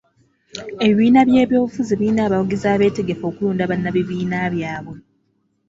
Ebibiina by'ebyobufuzi birina abawagizi abeetegefu okulonda bannabibiina byabwe.